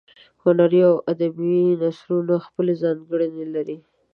هنري او ادبي نثرونه خپلې ځانګړنې لري.